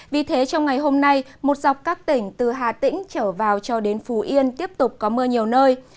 vì thế trong ngày hôm nay một dọc các tỉnh từ hà tĩnh trở vào cho đến phú yên tiếp tục có mưa nhiều nơi